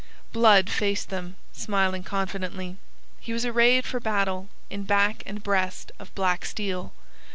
Blood faced them, smiling confidently. He was arrayed for battle, in back and breast of black steel.